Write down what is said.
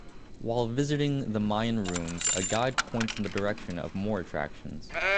While visiting the Mayan ruins a guide points in the direction of more attractions